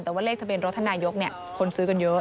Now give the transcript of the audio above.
แต่ว่าเลขทะเบียนรถท่านนายกคนซื้อกันเยอะ